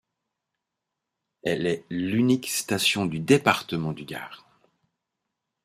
Elle est l'unique station du département du Gard.